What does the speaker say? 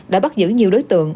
đã bắt giữ nhiều đối tượng